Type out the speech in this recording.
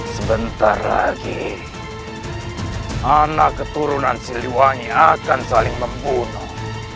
sebentar lagi anak keturunan siliwangi akan saling membunuh